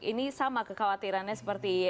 ini sama kekhawatirannya seperti